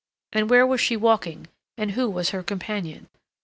And where was she walking, and who was her companion?